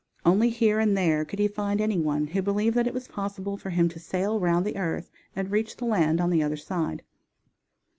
Only here and there could he find any one who believed that it was possible for him to sail round the earth and reach the land on the other side.